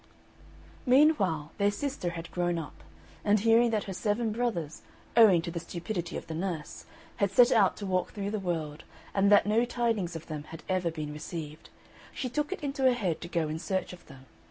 Meanwhile their sister had grown up; and hearing that her seven brothers, owing to the stupidity of the nurse, had set out to walk through the world, and that no tidings of them had ever been received, she took it into her head to go in search of them.